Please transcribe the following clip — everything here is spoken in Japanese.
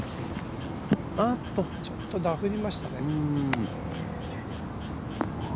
あっとちょっとダフりましたね。